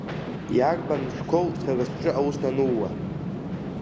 Иарбан мшқуоу сара сҿы аус анууа?